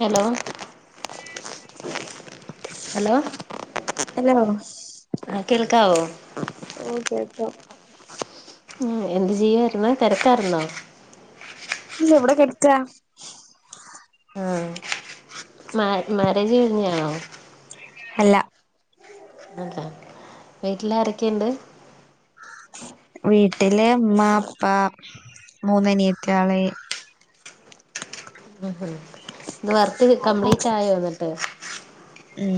Hello hello hello ആഹ് കേൾക്കാവോ ഓക്കെട്ടോ ഓഹ് എന്തു ചെയ്യയിരുന്നോ തിരക്കാരുന്നോ ഇല്ല എവിടെ കടക്കാ ആഹ് മാ മാരേജ് കഴിഞ്ഞാണോ അല്ല അതാ വീട്ടില് ആരൊക്കെണ്ട് വീട്ടില് മ്മ പ്പ മൂന്ന്നിയത്തിയാള് ഉഹും ഇന്ന് വർക്ക് കംപ്ലീറ്റ് ആയോ ന്നിട്ട് ഉം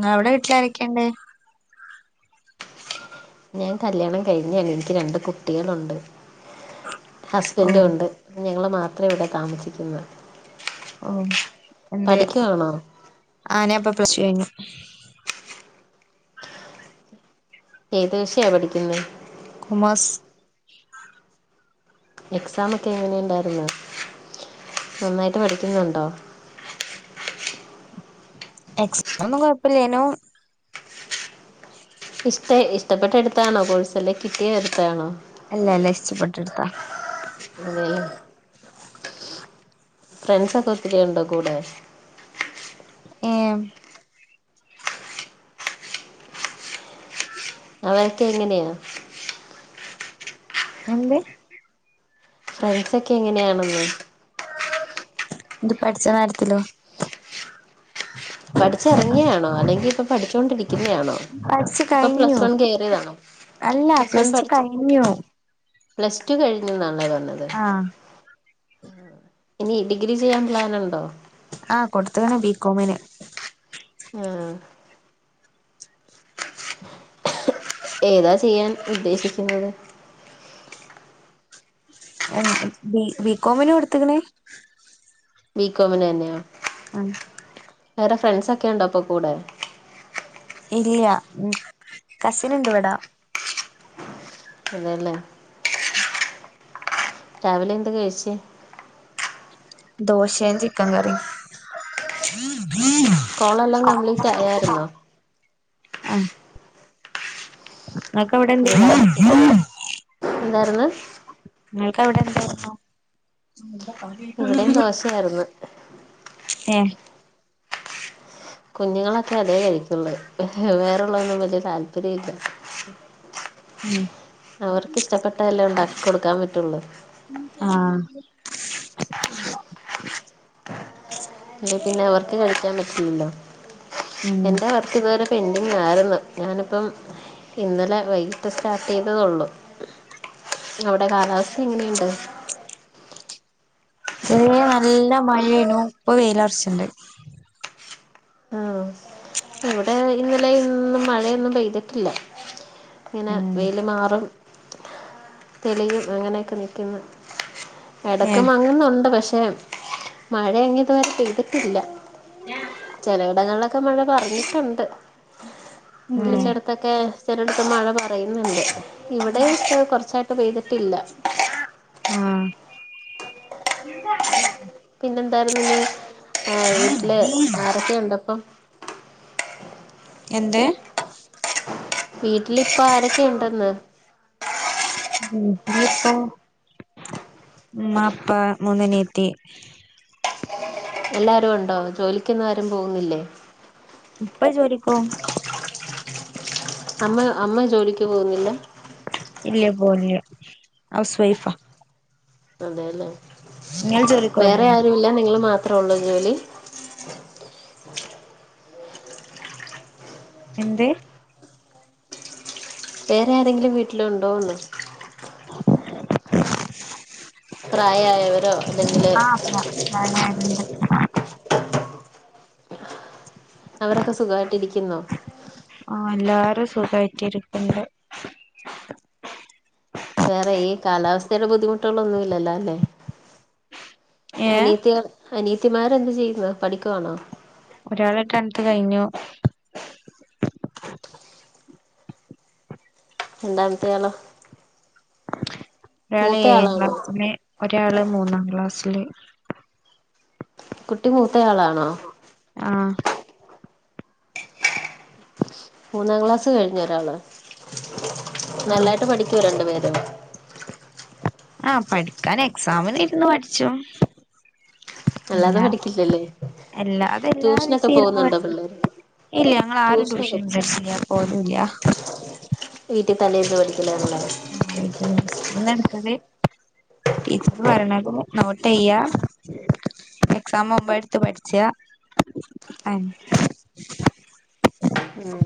ങ്ങളാടെ വീട്ടില് ആരൊക്കെണ്ട് ഞാൻ കല്ല്യാണം കഴിഞ്ഞാ എനിക്ക് രണ്ട് കുട്ടികളുണ്ട് ഓ ഹസ്ബൻഡ് ഉണ്ട് ഞങ്ങള് മാത്ര ഇവിടെ താമസിക്കുന്നു ഓഹ് എന്തെ പഠിക്കുവാണോ ആ ഞാപ്പൊ പ്ലസ്ടു കഴിഞ് ഏത് വിഷയ പഠിക്കുന്ന കൊമേർസ് എക്സാമൊക്കെ എങ്ങനെുണ്ടായിരുന്ന് നന്നായിട്ട് പഠിക്കുന്നുണ്ടോ എക്സാം കുഴപ്പല്ലേനു [inaudible] ഇഷ്ടെ ഇഷ്ടപ്പെട്ടെടുത്താണോ കോഴ്സ്‌ അല്ലെ കിട്ടിയെ എടുത്താണോ അല്ലല്ല ഇഷ്ടപ്പെട്ടെടുത്താ [unintelligible] ല്ലേ ഫ്രണ്ട്സൊക്കെ ഒത്തിരിയുണ്ടോ കൂടെ ഏഹ് അവര്ക്കെങ്ങനെയാ നല്ലേ ഫ്രണ്ട്സൊക്കെ എങ്ങനെയാണെന്ന് ത് പഠിച്ച നേരത്തിലോ പഠിച്ചിറങ്ങിയാണോ അല്ലെങ്കി ഇപ്പൊ പഠിച്ചോണ്ടിരിക്കുന്നയാണോ പഠിച്ചു ഇപ്പൊ പ്ലസ് കഴിഞ്ഞു വൺ കയറിയതാണോ അല്ല പ്ലസ്റ്റു കഴിഞ്ഞു പ്ലസ്ടു കഴിഞ്ഞുന്നാലെ പറഞ്ഞത് ആഹ് ഇനി ഡിഗ്രി ചെയ്യാൻ പ്ലാനുണ്ടോ ആ കൊടുത്ണ്‌ ബികോമിന് ആഹ് ഏതാ ചെയ്യാൻ ഉദ്ദേശിക്കുന്നത് എന്ത് ‌ബി ബികോമിന് കൊടുത്ത് ക്ക്‌ണ്‌ ബീകോമിനെന്നോ ആഹ് വേറെ ഫ്രണ്ട്സൊക്കെ ഉണ്ടോ പ്പൊ കൂടെ ഇല്ല ഉം കസിനുണ്ട് വ്ടാ അതെല്ലേ? രാവിലെ എന്ത് കഴിച്ചേ? ദോശേം ചിക്കൻ കറി മ്. കോളെല്ലാം കംപ്ലീറ്റ് ആയായിരുന്നോ? ആ. നിങ്ങക്ക് അവിടെ ഇത് എന്തെയ് ലാസ്റ്റ് എന്തായിരുന്നു നിങ്ങൾക്ക് അവിടെ എന്തായിരുന്നു? ഇവിടെയും ദോശയായിരുന്നു ഏ കുഞ്ഞുങ്ങളൊക്കെ അതേ കഴിക്കുള്ളൂ വേറെള്ളതൊന്നും വലിയ താല്പര്യ ഇല്ല [inaudible] അവർക്ക് ഇഷ്ടപ്പെട്ടതല്ലേ ഉണ്ടാക്കി കൊടുക്കാൻ പറ്റുള്ളൂ. ആഹ്. അല്ലെ പിന്നെ അവർക്ക് കഴിക്കാൻ പറ്റുലല്ലോ, ഉം എന്താ പർ ഇവര് പിന്നിം [unintelligible] രുന്നു ഞാനിപ്പം ഇന്നലെ വൈകിട്ട് സ്റ്റാർട്ടെയ്തതെ ഒള്ളു. അവിടെ കാലാവസ്ഥ എങ്ങനെണ്ട്? ഒതേ നല്ല മഴയായിരുന്നു, ഇപ്പൊ വെയിലുറച്ചട്ടുണ്ട്. ഇന്നലേം ഇന്നും മഴയൊന്നും പെയ്തിട്ടില്ല, ഇങ്ങനെ ഉം വെയില് മാറും തെളിയും അങ്ങനെയൊക്കെ നൽക്കുന്നു. ഇടക്ക് ഏഹ് മങ്ങുന്നുണ്ട് പക്ഷെ, മഴ അങ്ങി ഇതുവരെ പെയ്തിട്ടില്ല. ചിലയിടങ്ങളിലൊക്കെ മഴ പറഞ്ഞിട്ടുണ്ട്. ഉം വിള്ളിച്ചിടത്തൊക്കെ ചിലയിടത്ത് മഴ പറയുന്നുണ്ട്, ഇവിടെ കുറച്ചായിട്ട ഒക്കെ ചെയെയ്തിട്ടില്ല ആ... പിന്നെ എന്തായിരുന്നു, വീട്ടില് ആരൊക്കെുണ്ട് അപ്പം? എന്റെ വീട്ടിലിപ്പ ആരൊക്കെ ഉണ്ടെന്ന്? വീട്ടിലിപ്പോ അപ്പാ മൂന്ന് അനിയത്തി. എല്ലാരും ഉണ്ടോ, ജോലിക്കൊന്നും ആരും പോകുന്നില്ലേ? ഇപ്പ ജോലിക്ക് പോകും. അമ്മ അമ്മ ജോലിക്ക് പോകുന്നില്ല? ഇല്ല പോവില്ല, ഹൗസ് വൈഫാ. അതെയല്ലേ നിങ്ങൾ വേറെ ജോലിക്കോവുണ്ടോ ആരുല്ല, നിങ്ങള് മാത്രേ ഉള്ളൂ ജോലി? എന്ത്. വേറെ ആരെങ്കിലും വീട്ടിലുണ്ടോന്ന്? [unintelligible] [inaudible] പ്രായമായവരോ, അല്ലെങ്കില് ആഹ് ഞാനാരുണ്ട് അവരൊക്കെ സുഖമായിട്ട്ിരിക്കുന്നു. ആ എല്ലാരും സുഗായിട്ട് ഇരിക്കനെണ്ട് വേറെ ഈ കാലാവസ്ഥയുടെ ബുദ്ധിമുട്ടുകളൊന്നുമല്ലല്ലോ? ഏഹ് അനീത്തി അനീത്തിമാരെ എന്ത്തു ചെയ്യുന്നത് പഠിക്കുവാണോ? ഒരാൾ ടെൻ ത്ത് കഴിഞ്ഞു. [unintelligible] ഒരാള് ഏഴാം മൂത്തയാളാണോ ക്ലാസ്സില്, ഒരാള് മൂന്നാം ക്ലാസ്സില്. കുട്ടി മൂത്തയാളാണോ? ആ മൂന്നാം ക്ലാസ്സ് കഴിഞ്ഞ ഒരാള്, നല്ലായിട്ട് പഠിക്കു രണ്ടു പേരും? ആഹ പഠിക്കാൻ എക്സാം നു ഇരുന്ന് പഠിച്ചോളും. അല്ലാതെ എല്ലാ പഠിക്കില്ലല്ലേ എല്ലാ അത എല്ലാ ട്യൂഷനൊക്കെ പോകുന്നുണ്ടോ [unintelligible] പിള്ളേര് ഇല്ല ഞങ്ങ ആരും ട്യൂഷനൊക്കെ ട്യൂഷൻ സെന്റർ ൽ പോകുന്നില്ല. വീട്ടിൽ തലേന്ന് പഠിക്കലാണോ ഒള്ളത്? ആഹ് വീട്ടന്നിന്ന സ് ന്നെഎടുത്തത് ടീച്ചറ് വര്ണെനക്കമു നോട്ടയ്യാ. എക്സാം മുമ്പേ എടുത്ത് പഠിച്ചെയ ഉം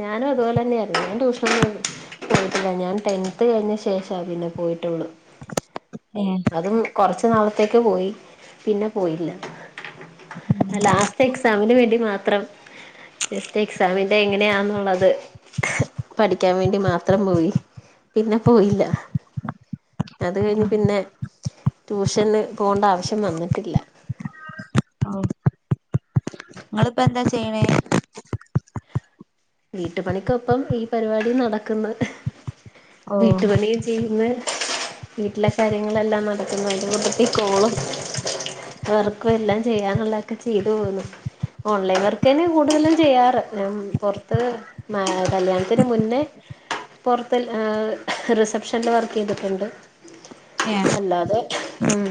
ഞാനും അതുപോലെ തന്നെയായിരുന്നു ഞാൻ ട്യൂഷനൊന്നുട്ത്തില്ല പോയിട്ടില്ല ഞാൻ ടെൻത് കഴിഞ്ഞ ശേഷാ പിന്നെ പോയിട്ടുള്ളു ഏഹ് അതും കുറച്ച് നാളത്തേക്ക് പോയി പിന്നെ പോയില്ല ലാസ്റ്റ് എക്സാമിന് വേണ്ടി മാത്രം ജസ്റ്റ് എക്സാമിന്റെ എങ്ങനെയാന്ന് ഉള്ളത് പഠിക്കാൻ വേണ്ടി മാത്രം പോയി പിന്നെ പോയില്ല. അത് കഴിഞ്ഞ് പിന്നെ ട്യൂഷന് പോകേണ്ട ആവശ്യം വന്നിട്ടില്ല. നിങ്ങളിപ്പ എന്താ ചെയ്യണേ വീട്ടു പണിക്കൊപ്പം ഈ പരിപാടി നടക്കുന്ന് ഓഹ് വീട്ടുപണിയും ചെയ്യുന്ന് വീട്ടിലെ കാര്യങ്ങളെല്ലാം നടക്കുന്നൊ മുണ്ട് ഇകോളും വെർക്കും എല്ലാം ചെയ്യാനുള്ളക്കെ ചെയ്തു പോന്നു. ഓൺലൈൻ വർക്ക് തെന്നയ കൂടുതലും ചെയ്യാറ് ഞാൻ പുറ അത്ത് മാ കല്യാണത്തിന് മുന്നേ പൊ റത്ത് റിസപ്ഷനില് വർക്ക് ചെയ്തിട്ടുണ്ട്. ഏയ അല്ലാതെ ഉം.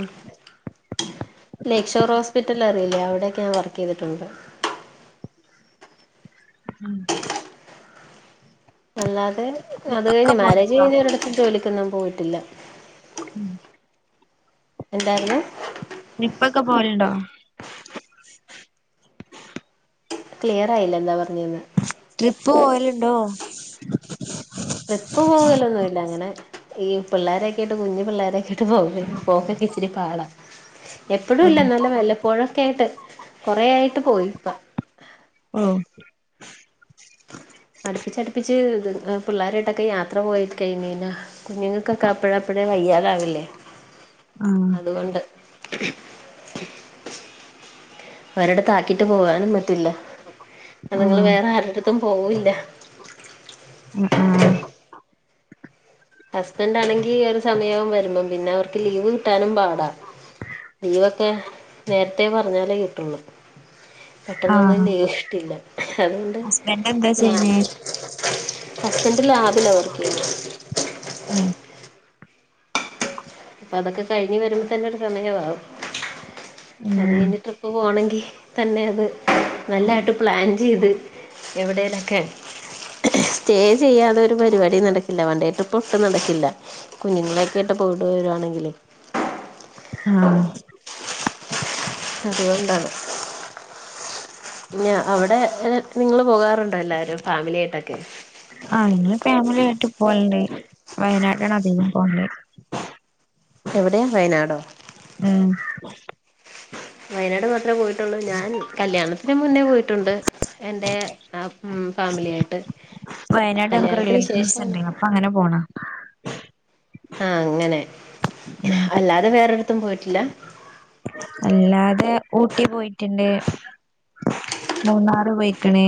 ലക്ഷോർ ഹോസ്പിറ്റല റിയില്ലേ അവിടെയൊക്കെ ഞൻ വർക്ക് ചെയ്തിട്ടുണ്ട്. ഉം അല്ലാതെ അത് ട്രിപ്പൊക്കെ കഴിഞ്ഞ് മാരേജ് പോവലുണ്ടോ കഴിഞ്ഞ് ഒരിടത്തും ജോലിക്കൊന്നും പോയിട്ടില്ല. എന്തായിരുന്നു? ഇനിപ്പൊക്കെ പോവലുണ്ടോ? ക്ലിയർ ആയില്ല എന്താ പറഞ്ഞേന്ന്? ട്രിപ്പ് പോയലുണ്ടോ? ട്രിപ്പ് പോകലൊന്നുല്ല അങ്ങനെ. ഈ പിള്ളാരൊക്കെ ഇട്ട് കുഞ്ഞു പിള്ളോരൊക്കെ ഇട്ട് പോ പോക്കൊക്കെ ഇച്ചിരി പാടാ. എപ്പഴും ഇല്ല ഓഹ് നല്ല വല്ലപ്പോഴൊക്കെ ആയിട്ട് കൊറെ ആയിട്ട് പോയിപ്പ. ആഹ് അടുപ്പിച്ചടുപ്പിച്ച് ത് പിള്ളേരായിട്ടൊക്കെ യാത്ര പോയിട് കഴിഞ്ഞഴിഞ്ഞ കുഞ്ഞുങ്ങൾക്കൊക്കെ അപ്പഴ അപ്പഴേ വയ്യറാവില്ലേ ആഹ് അതുകൊണ്ട്. ഒരടുത്ത് ആക്കിട്ട് പോവാനും പറ്റില്ല അതി ങ്ങള് ആഹ് വേറെ ആരുടെടുത്തും പോവില്ല. ആഹ് ആ ഹസ്ബൻറ് ആണെങ്കിൽ ഒരു സമയവും വരുമ്പോം പിന്നെ അവർക്ക് ലീവ് കിട്ടാനും പാടാ. ലീവൊക്കെ നേരത്തെേ പറഞ്ഞാലേ കിട്ടുള്ളൂ പെട്ടെന്നൊന്നും ആഹ് ലീവ് ട്ടില്ല അതുകൊണ്ട് ഹസ്ബൻഡ് എന്താ ഞാ ചെയ്യണേ ഹസ്ബന്റ് ലാബില വർക്കെയ്യുന്നേ. ഉം [unintelligible] അപ്പൊ അതൊക്കെ കഴിഞ്ഞ് വരുമ്പോ തന്നെ ഒരു സമയവാവും. അത് ഉം കഴിഞ്ഞ് ട്രിപ്പ് പോണങ്കി തന്നെ അത് നല്ലായിട്ട് പ്ലാൻ ചെയ്ത് എവിടേലെക്കെ സ്റ്റേ ചെയ്യാതെ ഒരു പരിപാടി നടക്കില്ല വൺഡേട്രിപ്പൊട്ടും നടക്കില്ല. കുഞ്ഞുങ്ങളെൊക്കൊയിട്ട് പോയിട്ട് വരുവാണെങ്കിലേ ആഹ് അതുകൊണ്ടാണ്. ന്നെ അവിടെ നിങ്ങള് പോകാറുണ്ടോ എല്ലാരും ഫാമിലി ആയിട്ടൊക്കെ? വിടേ ഫാമിലിയ ആയിട്ട് പോവാനണ്ട് വയനാട്ടാണ് അധികം പോവത്. എവിടെയാ വയനാടോ? ഉം വയനാട് മാത്രമേ പോയിട്ടുള്ളൂ ഞാൻ കല്യാണത്തിന് മുന്നേ പോയിട്ടുണ്ട് എൻ്റെ ഉം ഫാമിലിയ ആായിട്ട് വയനാട് ഞങ്ങക്ക് റിലേറ്റീവ്സ് ഉണ്ട് അപ്പൊ അങ്ങനെ പോണ ആഹ് അങ്ങനെ ഉം അല്ലാതെ വേറെടത്തും പോയിട്ടില്ല അല്ലാതെ ഊട്ടി പോയിട്ടുണ്ട് മൂന്നാറ് പൊയ്ക്കണേ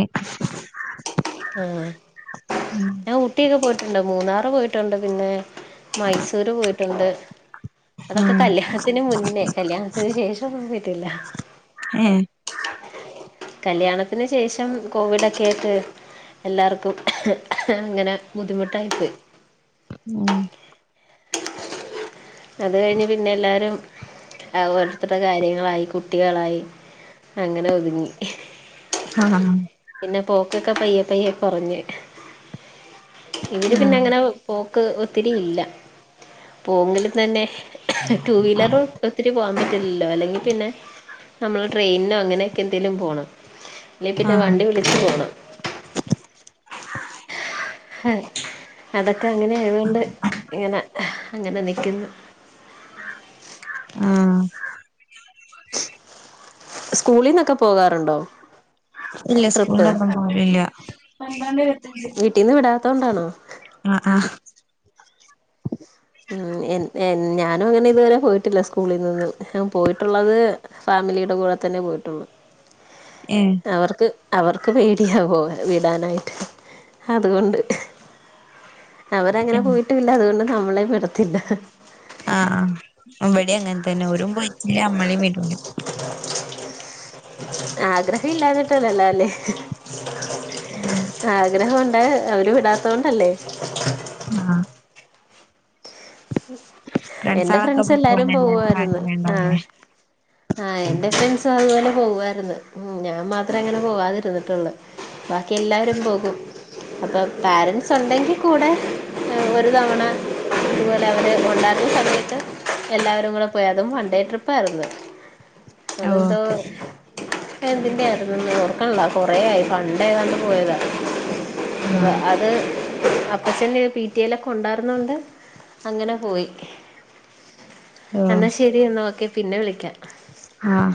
ആഹ് ഉം ആഹ് ഊട്ടിയൊക്കെ പോയിട്ടുണ്ട് മൂന്നാർ പോയിട്ടുണ്ട് പിന്നെ മൈസൂര് പോയിട്ടുണ്ട് അതൊക്കെ ആഹ് കല്യാണത്തിന് മുന്നേ കല്യാണത്തിന് ശേഷം ഒന്നും പൊയിറ്റില്ല ഏഹ് കല്യാണത്തിന് ശേഷം കോവിഡൊക്കെട്ട് എല്ലാർക്കും അങ്ങനെ ബുദ്ധിമുട്ടായിപ്പോയി ഉം അത് കഴിഞ്ഞ് പിന്നെ എല്ലാരും ഓരുത്തരു കാര്യങ്ങളായി കുട്ടികളായി അങ്ങനെ ഒതുങ്ങി ആഹ് ഹ പിന്നെ പോക്കൊക്കെ പയ്യെ പയ്യെ കുറഞ്ഞ് ഇവര് പിന്നെ ഉം അങ്ങനെ പോക്ക് ഒത്തിരി ഇല്ല പോങ്കിൽ തന്നെ ടു വീലർ ഒത്തിരി പോവാൻ പറ്റില്ലല്ലോ അല്ലെങ്കിൽ പിന്നെ നമ്മള് ട്രെയിനോ അങ്ങനെക്കെ എന്തേലും പോണം അല്ലെ പിന്നെ ആഹ് വണ്ടി വിളിച്ചു പോണം [inaudible] അഹ് അതൊക്കെ അങ്ങനെ ആയതൊണ്ട് ഇങ്ങനെ അങ്ങനെ നിക്കുന്നു [inaudible] ആഹ് സ്കൂളിൽന്നൊക്കെ പോകാറുണ്ടോ ഇല്ല ട്രിപ്പ് സ്കൂൾണ്ടവുമ്പോ പോവലില്ല വീട്ടിന് വിടാത്തതൊണ്ടണോ അഹ് ആഹ് ഉംഎന് എന് ഞാനും അങ്ങനെ ഇതുവരെ പോയിട്ടില്ല സ്കൂളിൽ നിന്നും പോയിട്ടുള്ളത് ഫാമിലിയുടെ കൂടെ തന്നെ പോയിട്ടുള്ളു ഏഹ് അവർക്ക് അവർക്ക് പേടിയാ പോവാൻ വിടാനായിട്ട് അതുകൊണ്ട് അവരങ്ങനെ ഉം പോയിട്ടില്ല അതുകൊണ്ട് നമ്മളെ വിടത്തില്ല ആഹ് ഇവിടെ അങ്ങനെ തന്നെ ഓരും പോയിട്ടില്ല നമ്മളിൽ വീടുല [inaudible] ആഗ്രഹം ഇല്ലാന്നിട്ടല്ലല്ലോ അല്ലേ ഉം ആഗ്രഹംണ്ട് അവര് വിടാത്ത കൊണ്ടല്ലേ ആഹ് എന്റെറെ ഫ്രണ്ട്സാളൊക്കെ ഫ്രണ്ട്സ് എല്ലാരും പോവാൻ എല്ലാർക്കും പോവായിരുന്നു ആഹ് ആഗ്രഹണ്ടാവുലേ ആഹ് എന്റെ ഫ്രണ്ട്സ് അതുപോലെ പോവായിരുന്നു ഉം ഞാൻ മാത്രേ അങ്ങനെ പോവാതിരുന്നിട്ടുള്ളൂ ബാക്കി എല്ലാരും പോകും അപ്പൊ പാരൻറ്സ് ഉണ്ടെങ്കിൽ കൂടെ ഒരു തവണ എല്ലാവരും കൊണ്ടായിരുന്ന സമയത്ത് എല്ലാവരും കൂടെ പോയ അതും വൺഡേ ട്രിപ്പായിരുന്നു ഓഹ് അതെന്തോ എന്ന്തിന്റെ ആരുന്നു ഓർക്കണല്ല കൊറയായി പണ്ട ഏതാണ്ട് പോയതാ ആഹ് അത് അപ്പച്ചൻ പിറ്റലൊക്കെ ഉണ്ടായിരുന്നോണ്ട് അങ്ങനെ പോയി ഓഹ് എന്നാൽ ശരി എന്നൽഓക്കെ പിന്നെ വിളിക്കാം ആഹ്